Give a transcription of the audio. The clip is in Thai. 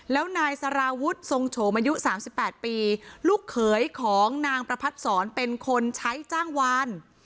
แล้วนายสาราวุธทรงโฉมอายุสามสิบแปดปีลูกเขยของนางประพัทธสรเป็นคนใช้จ้างวาน